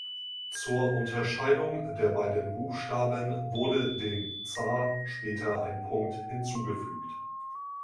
Zur Unterscheidung der beiden Buchstaben wurde dem Za später ein Punkt hinzugefügt.